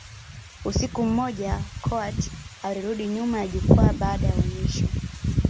Usiku mmoja, Coward alirudi nyuma ya jukwaa baada ya onyesho.